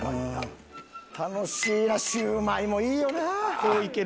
楽しいあっシューマイもいいよなあ。